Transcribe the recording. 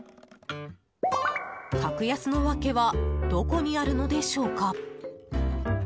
格安のワケはどこにあるのでしょうか？